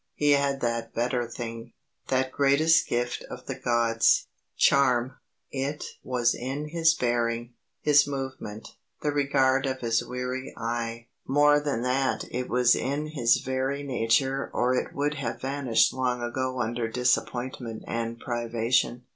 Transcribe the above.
He had that better thing that greatest gift of the gods charm. It was in his bearing, his movement, the regard of his weary eye; more than that it was in his very nature or it would have vanished long ago under disappointment and privation.